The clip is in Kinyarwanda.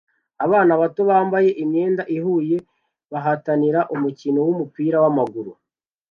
Abana bato bambaye imyenda ihuye bahatanira umukino wumupira wamaguru